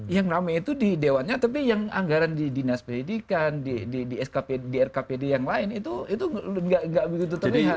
yang rame itu di dewannya tapi yang anggaran di dinas pendidikan di rkpd yang lain itu nggak begitu terlihat